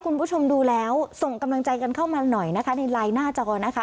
คุณผู้ชมดูแล้วส่งกำลังใจกันเข้ามาหน่อยนะคะในไลน์หน้าจอนะคะ